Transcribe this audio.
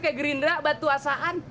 kayak gerindra batu asaan